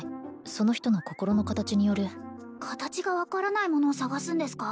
その人の心の形による形が分からないものを探すんですか？